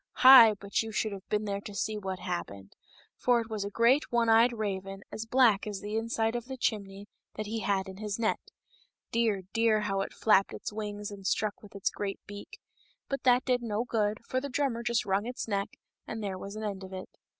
" Hi !" but you should have been there to see what happened ; for it was a great one eyed raven, as black as the inside of the chimney, that he had in his net. Dear, dear, how it flapped its wings and struck with its great beak ! But that did no good, for the drummer just wrung its neck, and there was an end of it.